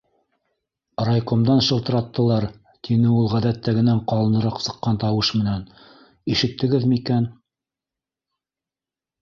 Райкомдан шылтыраттылар, - тине ул ғәҙәттәгенән ҡалыныраҡ сыҡҡан тауыш менән, - ишеттегеҙме икән...